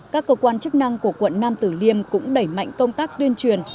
các cơ quan chức năng của quận nam tử liêm cũng đẩy mạnh công tác tuyên truyền